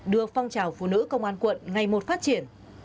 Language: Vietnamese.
đưa phong trào phụ nữ công an quận ngày một phát triển